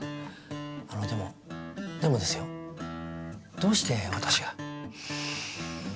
あのでもでもですよどうして私が？